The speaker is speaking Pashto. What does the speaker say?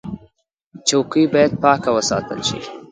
چوکۍ باید پاکه وساتل شي.